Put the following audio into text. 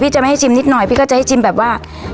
จะไม่ให้ชิมนิดหน่อยพี่ก็จะให้ชิมแบบว่า